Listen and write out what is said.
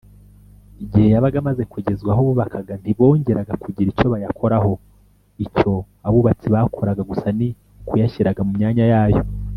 igihe yabaga amaze kugezwa aho bubakaga, ntibongeraga kugira icyo bayakoraho; icyo abubatsi bakoraga gusa ni ukuyashyiraga mu myanya yayo